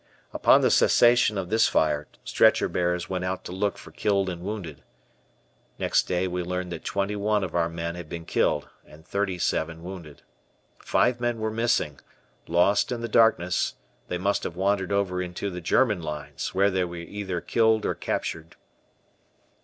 Upon the cessation of this fire, stretcher bearers went out to look for killed and wounded. Next day we learned that twenty one of our men had been killed and thirty seven wounded. Five men were missing; lost in the darkness they must have wandered over into the German lines, where they were either killed or captured.